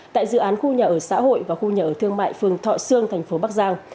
tại dự án khu nhà ở xã hội và khu nhà ở thương mại phường thọ sương thành phố bắc giang